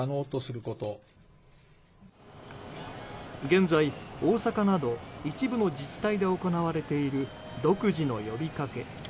現在、大阪など一部の自治体で行われている独自の呼びかけ。